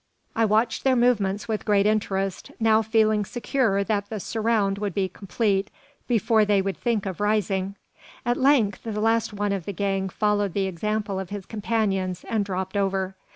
I watched their movements with great interest, now feeling secure that the "surround" would be complete before they would think of rising. At length the last one of the gang followed the example of his companions, and dropped over.